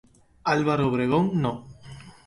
Álvaro Obregón No.